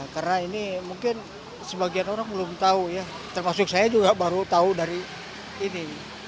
karena ini mungkin sebagian orang belum tahu ya termasuk saya juga baru tahu dari ini